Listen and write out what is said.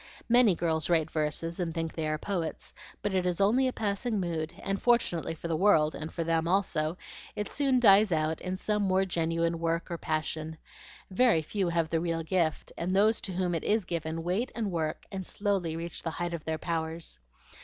"Many girls write verses and think they are poets; but it is only a passing mood, and fortunately for the world, and for them also, it soon dies out in some more genuine work or passion. Very few have the real gift, and those to whom it IS given wait and work and slowly reach the height of their powers.